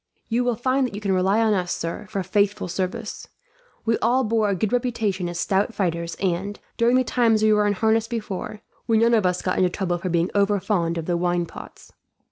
"You will find that you can rely on us, sir, for faithful service. We all bore a good reputation as stout fighters and, during the time we were in harness before, we none of us got into trouble for being overfond of the wine pots."